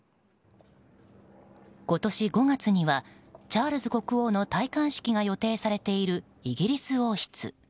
今年５月にはチャールズ国王の戴冠式が予定されているイギリス王室。